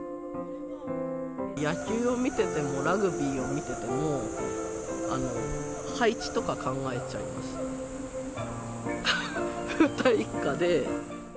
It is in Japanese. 野球を見てても、ラグビーを見てても、配置とか考えちゃいます、風太一家で。